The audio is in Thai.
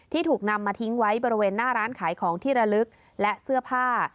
ถูกนำมาทิ้งไว้บริเวณหน้าร้านขายของที่ระลึกและเสื้อผ้า